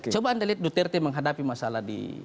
coba anda lihat duterte menghadapi masalah di